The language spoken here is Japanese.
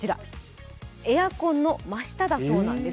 エアコンの真下だそうです。